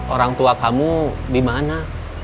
orang tua kamu di mana